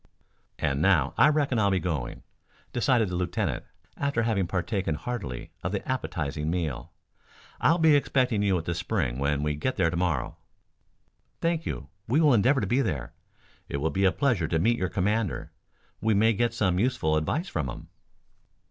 "And now I reckon I'll be going," decided the lieutenant, after having partaken heartily of the appetizing meal. "I'll be expecting you at the Spring when we get there to morrow." "Thank you; we will endeavor to be there. It will be a pleasure to meet your commander. We may get some useful advice from him."